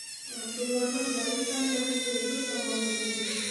Ғабдулланың балыҡтан бәхете гел самалы булды.